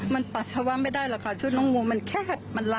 มันปัสสาวะไม่ได้หรอกค่ะชุดน้องงูมันแคบมันละ